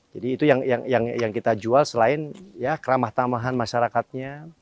jadi itu yang kita jual selain keramah tamahan masyarakatnya